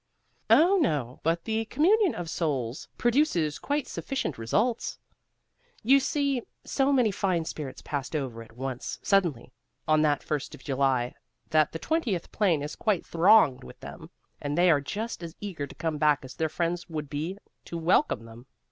"Oh, no; but the communion of souls produces quite sufficient results. You see, so many fine spirits passed over at once, suddenly, on that First of July, that the twentieth plane is quite thronged with them, and they are just as eager to come back as their friends could be to welcome them.